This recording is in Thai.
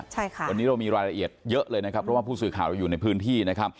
ใช่ค่ะวันนี้เรามีรายละเอียดเยอะเลยนะครับเพราะว่าผู้สื่อข่าวเราอยู่ในพื้นที่นะครับ